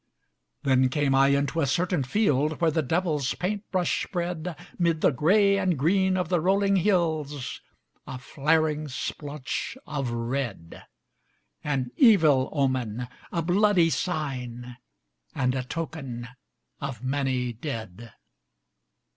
Then came I into a certain field Where the devil's paint brush spread 'Mid the gray and green of the rolling hills A flaring splotch of red, An evil omen, a bloody sign, And a token of many dead.